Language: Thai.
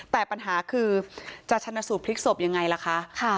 แต่ปัญหาคือจะชนะสูตรพลิกศพยังไงล่ะคะ